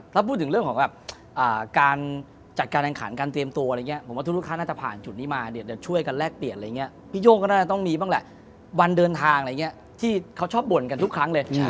ถ้าพูดถึงเรื่องของแบบการจัดการแข่งขันการเตรียมตัวอะไรอย่างนี้ผมว่าทุกท่านน่าจะผ่านจุดนี้มาเดี๋ยวจะช่วยกันแลกเปลี่ยนอะไรอย่างนี้พี่โย่งก็น่าจะต้องมีบ้างแหละวันเดินทางอะไรอย่างนี้ที่เขาชอบบ่นกันทุกครั้งเลย